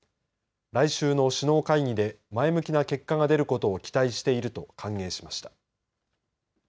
来週の首脳会議で前向きな結果が出ることを期待していると歓迎しました。